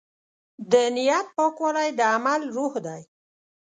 د نیت پاکوالی د عمل روح دی.